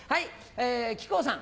木久扇さん。